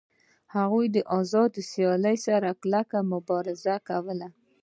هغوی د آزادې سیالۍ سره کلکه مبارزه کوله